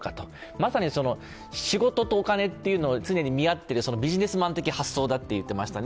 まさに仕事とお金というのを常に見合っててビジネスマン的な発想だと言ってましたね。